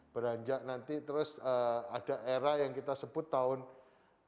beranjak nanti terus ada era yang kita sebut tahun delapan puluh sembilan puluh pertengahan itu eranya suzuki